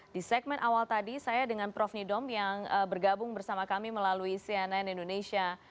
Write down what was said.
di segmen awal tadi saya dengan prof nidom yang bergabung bersama kami melalui cnn indonesia